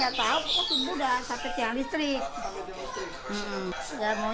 dari bawah orang lawa